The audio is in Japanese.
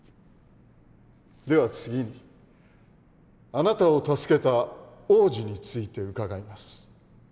では次にあなたを助けた王子について伺います。